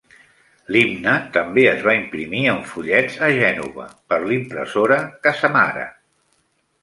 L'himne també es va imprimir en follets a Gènova, per l'impressora Casamara.